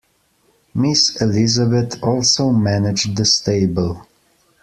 Miss Elizabeth also managed the stable.